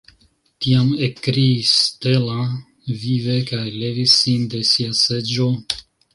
Tiam ekkriis Stella vive kaj levis sin de sia seĝo.